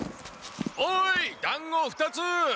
おいだんご２つ！